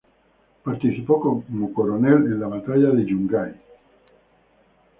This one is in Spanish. Participó como coronel en la Batalla de Yungay.